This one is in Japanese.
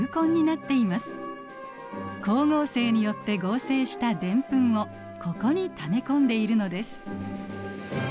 光合成によって合成したデンプンをここにため込んでいるのです。